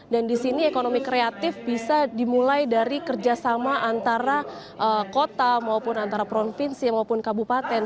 di sini ekonomi kreatif bisa dimulai dari kerjasama antara kota maupun antara provinsi maupun kabupaten